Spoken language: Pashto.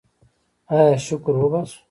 آیا شکر وباسو؟